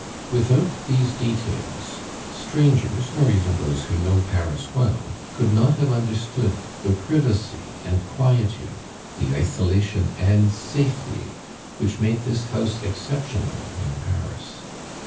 Without these details, strangers, or even those who know Paris well, could not have understood the privacy and quietude, the isolation and safety which made this house exceptional in Paris.